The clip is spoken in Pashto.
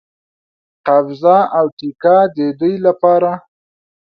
قبضه او ټیکه د دوی لپاره.